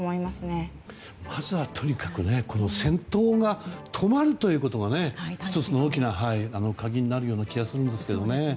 まずは、とにかくこの戦闘が止まるということが１つの大きな鍵になるような気がするんですけどね。